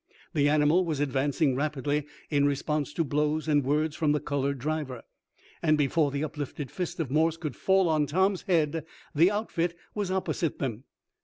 The animal was advancing rapidly, in response to blows and words from the colored driver, and, before the uplifted fist of Morse could fall on Tom's head, the outfit was opposite them.